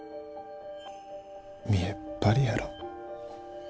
見えっ張りやろ。